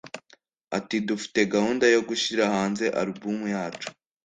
Ati “Dufite gahunda yo gushyira hanze album yacu